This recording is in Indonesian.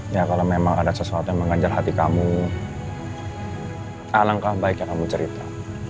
ya kalau memang ada sesuatu yang mengajar hati kamu alangkah baiknya kamu cerita